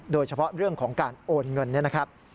โดยเฉพาะเรื่องของการโอนเงินเนี่ยนะครับ